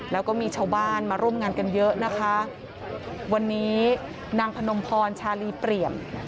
แล้วก็มีชาวบ้านมาร่วมงานกันเยอะนะคะวันนี้นางพนมพรชาลีเปรียม